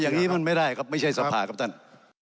อย่างนี้มันไม่ได้ครับไม่ใช่สภาครับท่าน